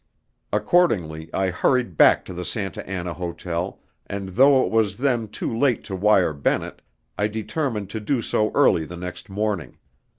Accordingly, I hurried back to the Santa Anna Hotel, and though it was then too late to wire Bennett, I determined to do so early the next morning.